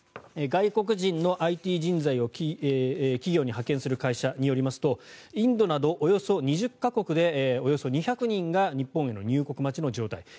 外国人のＩＴ人材を企業に派遣する会社によりますとインドなどおよそ２０か国でおよそ２００人が日本への入国待ちの状態。